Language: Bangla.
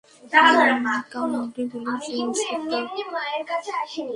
County police inspector!